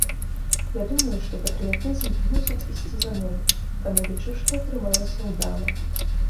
Я думаю, што патрыятызм мусіць ісці за модай, таму лічу, што атрымалася ўдала.